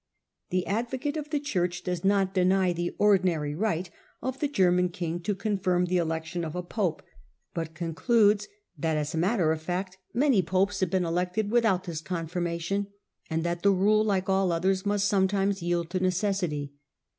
ITie advocate of the Ghorch Digitized by VjOOQIC The Minority op Henry IV. 6i does not deny the ordinary right of the German king to confirm the election of a pope, but concludes that, as A matter of fact, many popes had been elected without this confirmation, and that the rule, like all others, must sometimes yield to necessity.